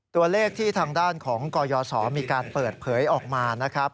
ตัวเลขที่ทางด้านของกยศมีการเปิดเผยออกมานะครับ